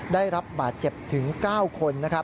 ได้รับบาดเจ็บถึง๙คน